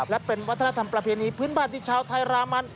และเป็นวัฒนธรรมประเพณีพื้นบ้านที่ชาวไทยรามัน